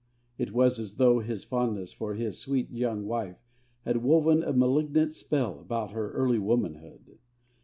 It was as though his fondness for his sweet young wife had woven a malignant spell about her early womanhood.